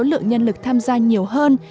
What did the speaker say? và số lượng nhân lực tham gia nhiều hơn